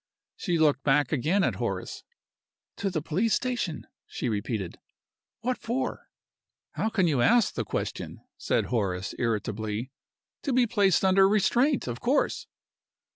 She looked back again at Horace. "To the police station!" she repeated. "What for?" "How can you ask the question?" said Horace, irritably. "To be placed under restraint, of course."